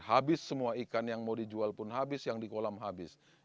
habis semua ikan yang mau dijual pun habis yang di kolam habis